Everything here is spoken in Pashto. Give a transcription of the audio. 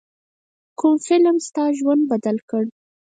کوم فلم ستا ژوند بدل کړ.